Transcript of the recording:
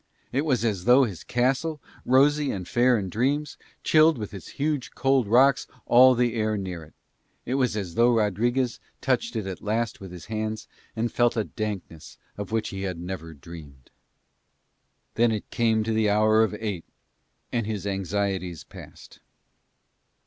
It was as though his castle, rosy and fair in dreams, chilled with its huge cold rocks all the air near it: it was as though Rodriguez touched it at last with his hands and felt a dankness of which he had never dreamed. Then it came to the hour of eight and his anxieties passed.